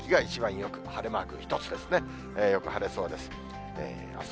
よく晴れそうです。